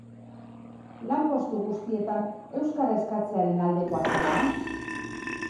Lan-postu guztietan euskara eskatzearen aldekoa zara?